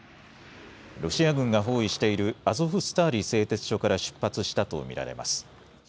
ロシア軍が包囲しているアゾフスターリ製鉄所から出発したと見られます。